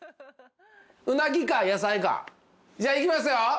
うなぎか野菜かじゃあいきますよ。